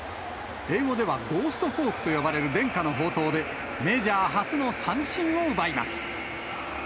英語ではゴーストフォークと呼ばれる伝家の宝刀で、メジャー初の三振を奪います。